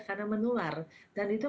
karena menular dan itu